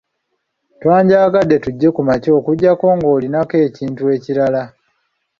Twandyagadde tujje ku makya okuggyako ng'olinako ekintu ekirala.